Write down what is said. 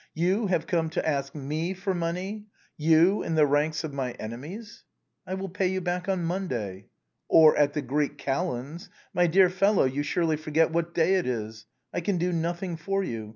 " You have come to ask me for money ! You, in the ranks of my enemies !"" I will pay you back on Monday." " Or at the Greek Calends. My dear fellow, you surely forget what day it is. I can do nothing for you.